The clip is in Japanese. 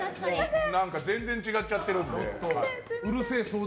全然違っちゃっているんで。